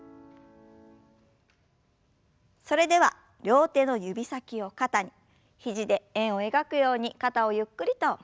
それでは両手の指先を肩に肘で円を描くように肩をゆっくりと回す運動から始めましょう。